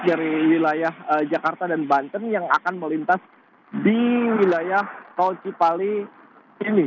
dari wilayah jakarta dan banten yang akan melintas di wilayah tol cipali ini